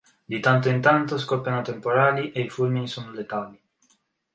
Di tanto in tanto scoppiano temporali e i fulmini sono letali.